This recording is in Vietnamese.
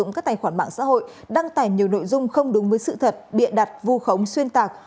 các tài khoản mạng xã hội đăng tải nhiều nội dung không đúng với sự thật bịa đặt vu khống xuyên tạc